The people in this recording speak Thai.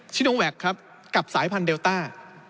ชิโนแหวคกับสายพันธุ์เดลต้า